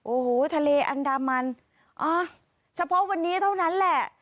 โอ้โหทะเลอันดามันเฉพาะวันนี้เท่านั้นแหละ